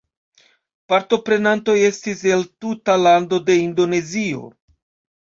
Partoprenantoj estis el tuta lando de Indonezio.